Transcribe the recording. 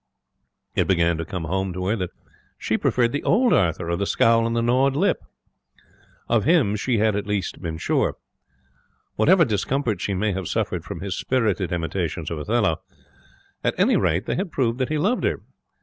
It began to come home to her that she preferred the old Arthur, of the scowl and the gnawed lip. Of him she had at least been sure. Whatever discomfort she may have suffered from his spirited imitations of Othello, at any rate they had proved that he loved her.